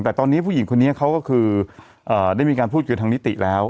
แต่ตอนนี้ผู้หญิงคนนี้เขาก็คือได้มีการพูดกับทางนิติแล้ว